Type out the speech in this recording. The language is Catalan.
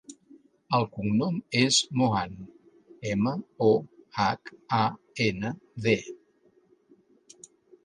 El cognom és Mohand: ema, o, hac, a, ena, de.